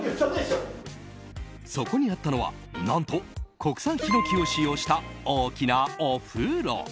そこにあったのは何と、国産ヒノキを使用した大きなお風呂。